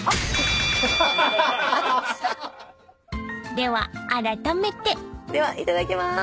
［ではあらためて］ではいただきます。